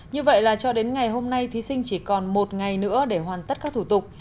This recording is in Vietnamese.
như vậy là cho đến ngày hôm nay thí sinh chỉ còn một ngày nữa để hoàn tất các thủ tục